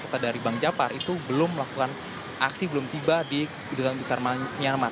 serta dari bank japar itu belum melakukan aksi belum tiba di duta besar myanmar